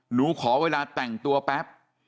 หนูขอเวลาแต่งตัวแป๊บ